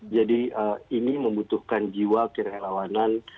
jadi ini membutuhkan jiwa kerelawanan